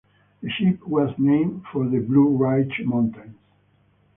The ship was named for the Blue Ridge Mountains.